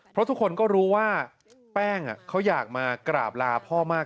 เพราะทุกคนก็รู้ว่าแป้งเขาอยากมากราบลาพ่อมาก